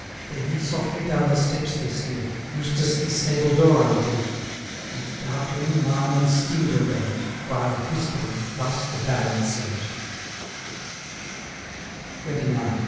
Then softly down the steps they slid, Eustace the stable door undid, 550 And, darkling, Marmion's steed array'd, While, whispering, thus the Baron said: XXIX.